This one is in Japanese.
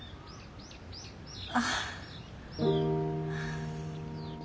ああ。